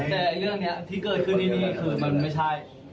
แต่เรื่องนี้ที่เกิดขึ้นที่นี่คือมันไม่ใช่